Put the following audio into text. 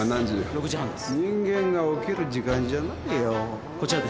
６時半です。